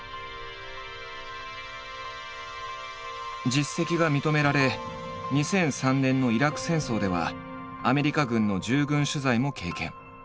実績が認められ２００３年のイラク戦争ではアメリカ軍の従軍取材も経験。